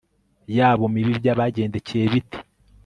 yabo mibi byabagendekeye bite